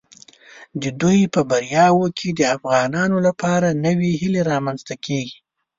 د دوی په بریاوو کې د افغانانو لپاره نوې هیله رامنځته کیږي.